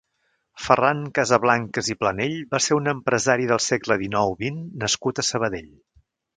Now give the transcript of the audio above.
Ferran Casablancas i Planell va ser un empresari del segle dinou - vint nascut a Sabadell.